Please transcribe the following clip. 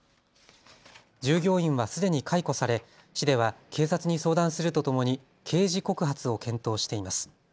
従業員はすでに解雇され市では警察に相談するとともに刑事告発を検討しています。